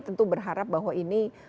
tentu berharap bahwa ini